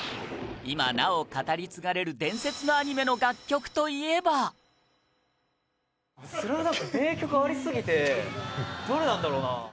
今なお語り継がれる伝説のアニメの楽曲といえば宮田：『スラムダンク』は名曲ありすぎてどれなんだろうな？